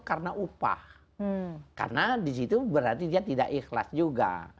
karena upah karena disitu berarti dia tidak ikhlas juga